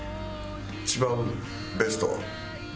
一番ベストは？